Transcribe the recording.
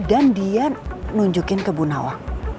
dan dia nunjukin ke bu nawal